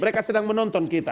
mereka sedang menonton kita